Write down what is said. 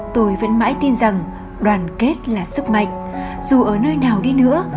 tôi vẫn mãi tin rằng đoàn kết là sức mạnh dù ở nơi nào đi nữa